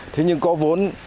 thế nhưng có vốn